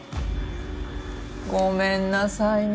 ごめんなさいね